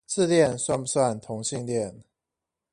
自戀算不算同性戀？